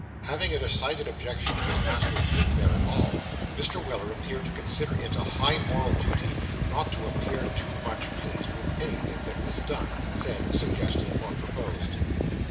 Having a decided objection to his master's being there at all, Mr. Weller appeared to consider it a high moral duty not to appear too much pleased with anything that was done, said, suggested, or proposed.